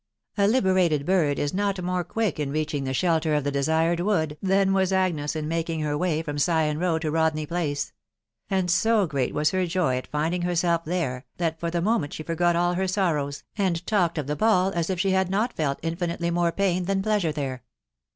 A liberated bird is not more quick in reaching the shelter of the desired wood, than was Agnes in making her way from Sion Row to Rodney Place ; and so great was her joy at find ing herself there, that for the moment she forgot all her sor« rows, and talked of the ball as if she tad uot {<& Vs&wft&i 208 THE WIDOW BARNABY more pain than pleasure there.